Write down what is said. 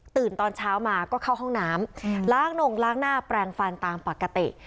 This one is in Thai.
ตอนเช้ามาก็เข้าห้องน้ำล้างนงล้างหน้าแปลงฟันตามปกติ